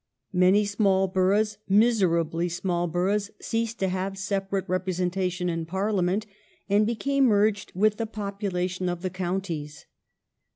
Many small boroughs, miserably small boroughs, ceased to have separate representation in Parliament and became merged into the population of the coun ties.